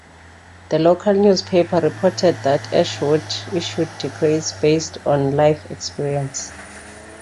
The local newspaper reported that Ashwood issued degrees based on "life experience".